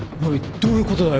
どういうことだよ？